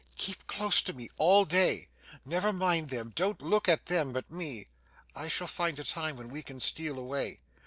'Keep close to me all day. Never mind them, don't look at them, but me. I shall find a time when we can steal away.